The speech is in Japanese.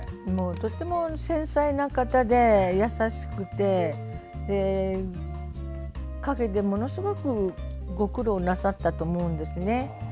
とても繊細な方で優しくて、陰でものすごくご苦労なさったと思うんですね。